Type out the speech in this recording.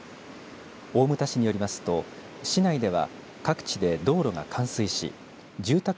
大牟田市によりますと市内では、各地で道路が冠水し住宅